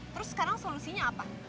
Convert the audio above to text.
terus sekarang solusinya apa